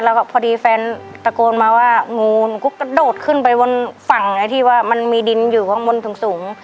แล้วก็พอดีแฟนตะโกนมาว่างูหนูก็กระโดดขึ้นไปบนฝั่งไอ้ที่ว่ามันมีดินอยู่ข้างบนสูง